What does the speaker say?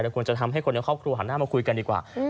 ควรจะทำให้คนในครอบครัวหันหน้ามาคุยกันดีกว่า